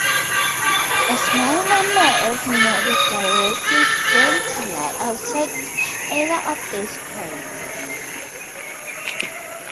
A small number of nodoviruses seem to lie outside either of these clades.